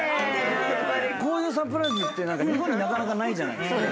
こういうサプライズって日本になかなかないじゃないですか。